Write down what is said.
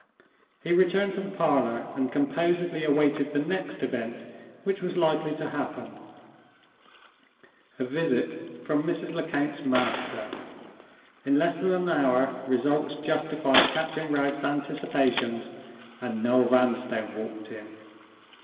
He returned to the parlor, and composedly awaited the next event which was likely to happen—a visit from Mrs. Lecount's master. In less than an hour results justified Captain Wragge's anticipations, and Noel Vanstone walked in.